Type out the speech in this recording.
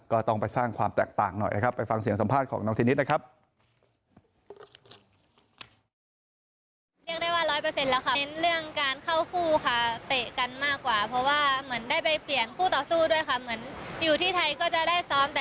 ก็ต้องไปสร้างความแตกต่างหน่อยนะครับไปฟังเสียงสัมภาษณ์ของน้องเทนนิสนะครับ